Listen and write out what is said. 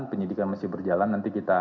penyidikan masih berjalan nanti kita